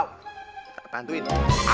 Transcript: au kata bantuin